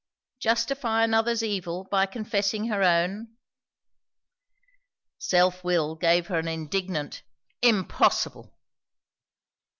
Justify another's evil by confessing her own? Self will gave her an indignant "Impossible!"